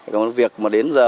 cái việc mà đến giờ